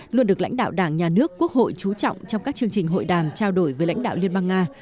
luôn được lãnh đạo đảng nhà nước quốc hội trú trọng trong các chương trình hội đàm trao đổi với lãnh đạo liên bang nga